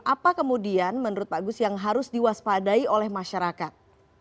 apa kemudian menurut pak gus yang harus diwaspadai oleh masyarakat